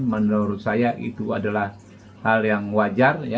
menurut saya itu adalah hal yang wajar